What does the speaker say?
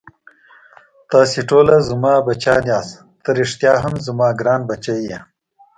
تاسې ټوله زما بچیان یاست، ته ريښتا هم زما ګران بچی یې.